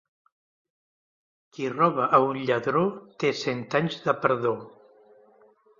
Qui roba a un lladró, té cent anys de perdó.